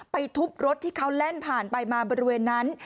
ทุบรถที่เขาแล่นผ่านไปมาบริเวณนั้น